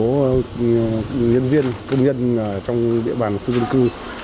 một số nhân viên công nhân trong địa bàn khu dân cư